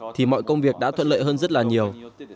thì mọi công việc đã thuận lợi hơn rất là nhiều